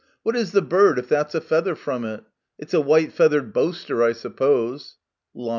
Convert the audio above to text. What is the bird if that's a feather from it ? It's a white feathered Boaster, I suppose.* Lam.